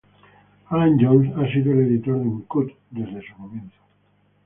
Allan Jones ha sido el editor de Uncut desde su comienzo.